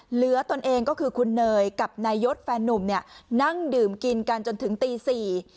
ตนเองก็คือคุณเนยกับนายยศแฟนนุ่มเนี่ยนั่งดื่มกินกันจนถึงตีสี่